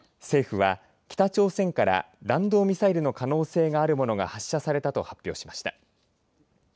政府は北朝鮮から弾道ミサイルの可能性があるものが発射されたと発表しました。